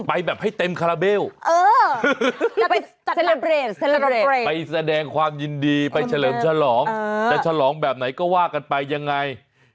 ไปแบบให้เต็มฆาลเบลไปแสดงความยินดีไปเฉลิมฉลองแต่ฉลองแบบไหนก็ว่ากันไปยังไง